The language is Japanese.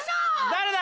誰だ？